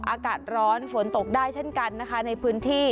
อากาศร้อนฝนตกได้เช่นกันนะคะในพื้นที่